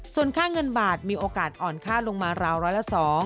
ส่วนค่าเงินบาทมีโอกาสอ่อนค่าลงมาราวร้อยละ๒